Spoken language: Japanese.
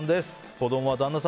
子供は旦那さん